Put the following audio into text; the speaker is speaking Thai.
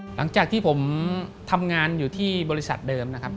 หลังจากที่ผมทำงานอยู่ที่บริษัทเดิมนะครับ